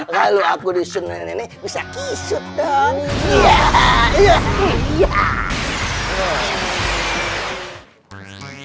kalau aku disun nenek nenek bisa kisut dong